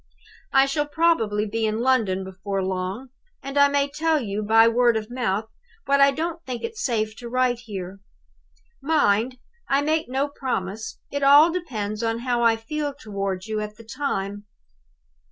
"I shall probably be in London before long and I may tell you by word of mouth what I don't think it safe to write here. Mind, I make no promise! It all depends on how I feel toward you at the time.